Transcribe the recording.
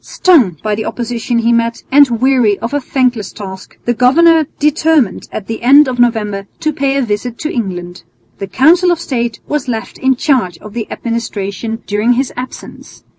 Stung by the opposition he met and weary of a thankless task, the governor determined at the end of November to pay a visit to England. The Council of State was left in charge of the administration during his absence.